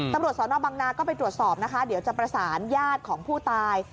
ตำรวจสอนอบังนาก็ไปตรวจสอบนะคะเดี๋ยวจะประสานญาติของผู้ตาย